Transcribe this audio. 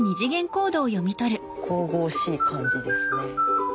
神々しい感じですね。